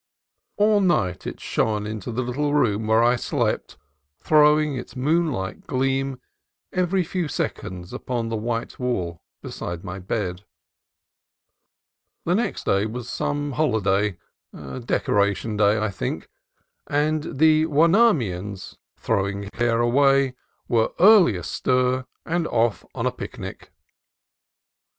All night it shone AN EMBARRASSING COMPANION 75 into the little room where I slept, throwing its moon like gleam every few seconds upon the white wall beside my bed. The next day was some holiday, — Decoration Day, I think, — and the Huenemans, throwing care away, were early astir and off on a picnic.